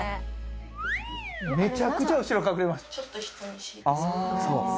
めちゃくちゃ後ろ隠れました。